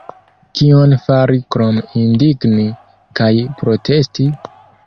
Kion fari krom indigni kaj protesti?